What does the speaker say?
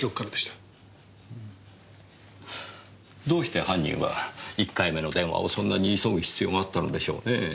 どうして犯人は１回目の電話をそんなに急ぐ必要があったのでしょうねえ。